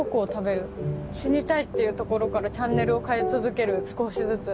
死にたいっていうところからチャンネルを変え続ける少しずつ」。